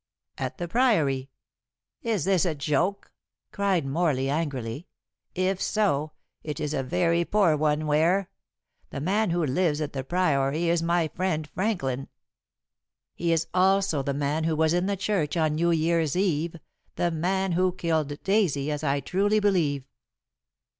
"At the Priory." "Is this a joke?" cried Morley angrily. "If so, it is a very poor one, Ware. The man who lives at the Priory is my friend Franklin " "He is also the man who was in the church on New Year's Eve the man who killed Daisy, as I truly believe."